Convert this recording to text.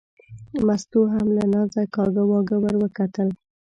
مستو هم له نازه کاږه واږه ور وکتل.